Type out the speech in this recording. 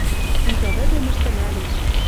Сӹнзӓвӹдӹм ӹштӹлӓлеш.